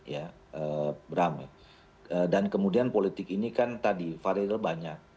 ya rame dan kemudian politik ini kan tadi varia banyak